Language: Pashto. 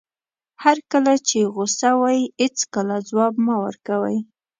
هر کله چې غوسه وئ هېڅکله ځواب مه ورکوئ.